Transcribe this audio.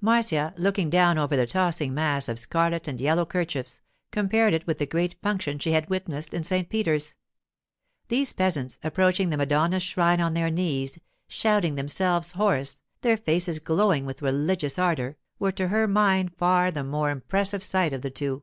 Marcia, looking down over the tossing mass of scarlet and yellow kerchiefs, compared it with the great function she had witnessed in St. Peter's. These peasants approaching the Madonna's shrine on their knees, shouting themselves hoarse, their faces glowing with religious ardour, were to her mind far the more impressive sight of the two.